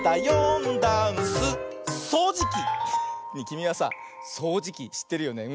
きみはさそうじきしってるよね？